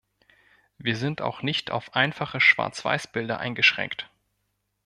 Wir sind auch nicht auf einfache Schwarzweißbilder eingeschränkt.